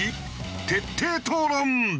徹底討論。